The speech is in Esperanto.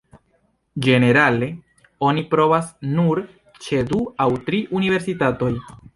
Ĝenerale oni provas nur ĉe du aŭ tri universitatoj.